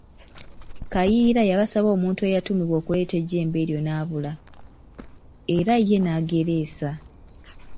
Kayiira yabasaba omuntu eyatumibwa okuleeta ejjembe eryo n'abula, era ye n'agereesa.